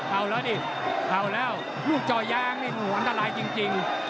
เอาแล้วดิเอาแล้วลูกจ่อยางนี่อันตรายจริง